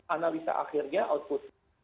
analisa akhirnya output